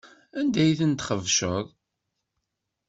Anda ay ten-txebceḍ?